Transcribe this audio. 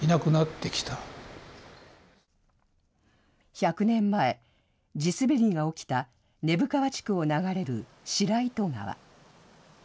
１００年前、地滑りが起きた根府川地区を流れる白糸川。